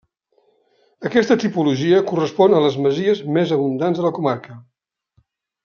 Aquesta tipologia correspon a les masies més abundants a la comarca.